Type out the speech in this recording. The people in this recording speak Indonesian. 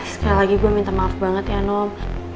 sekali lagi gue minta maaf banget ya nom